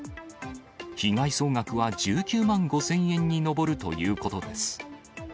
被害総額は１９万５０００円に上るということです。